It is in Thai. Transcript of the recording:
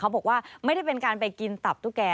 บอกว่าไม่ได้เป็นการไปกินตับตุ๊กแก่